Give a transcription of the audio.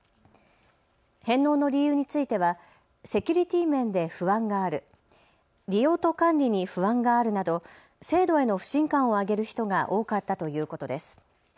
返納の理由についてはセキュリティー面で不安がある、利用と管理に不安があるなど制度への不信感を挙げる人が多かったということです。